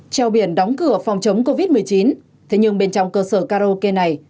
treo biển đóng cửa phòng chống covid một mươi chín thế nhưng bên trong cơ sở karaoke này